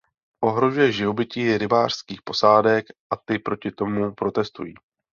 Ohrožuje živobytí rybářských posádek, a ty proti tomu protestují.